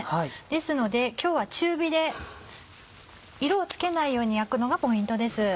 ですので今日は中火で色をつけないように焼くのがポイントです。